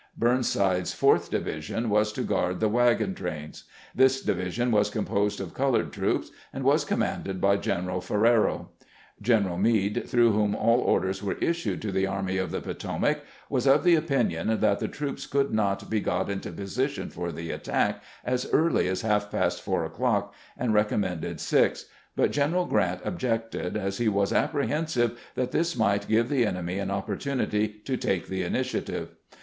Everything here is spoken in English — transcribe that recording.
Burnside's fourth division was to guard the wagon trains. This division was composed of colored troops, and was commanded by G eneral Ferrero. G eneral Meade, through whom all orders were issued to the Army of the Potomac, was of the opinion that the troops could not be got into position for the attack as early as half past four o'clock, and recommended six ; but G eneral Grant objected, as he was apprehensive that this might give the enemy an opportunity to take the initiative.